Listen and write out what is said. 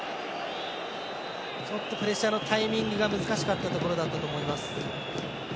ちょっとプレッシャーのタイミングが難しかったところだと思います。